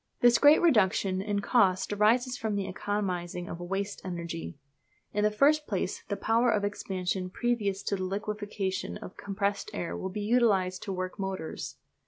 This great reduction in cost arises from the economising of "waste energy." In the first place the power of expansion previous to the liquefaction of the compressed air will be utilised to work motors.